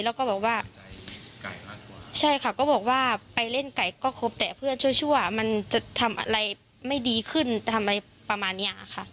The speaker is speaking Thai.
แล้วก็บอกว่าใช่ค่ะก็บอกว่าไปเล่นไก่ก็ครบแต่เพื่อนชั่วมันจะทำอะไรไม่ดีขึ้นทำอะไรประมาณเนี้ยค่ะ